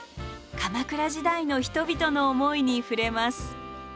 鎌倉時代の人々の思いに触れます。